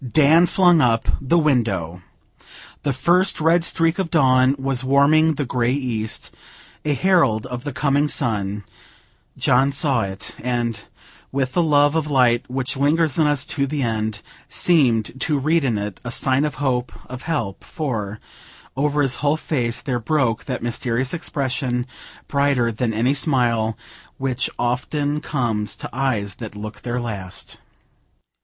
Dan flung up the window. The first red streak of dawn was warming the grey east, a herald of the coming sun; John saw it, and with the love of light which lingers in us to the end, seemed to read in it a sign of hope of help, for, over his whole face there broke that mysterious expression, brighter than any smile, which often comes to eyes that look their last.